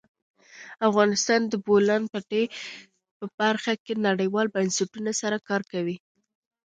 افغانستان د د بولان پټي په برخه کې نړیوالو بنسټونو سره کار کوي.